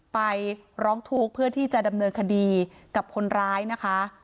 ไปร้องทุกข์เพื่อที่จะดำเนินคดีกับคนร้ายนะคะ